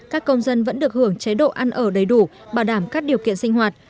các công dân vẫn được hưởng chế độ ăn ở đầy đủ bảo đảm các điều kiện sinh hoạt